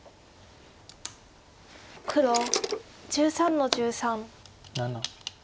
黒１３の十三。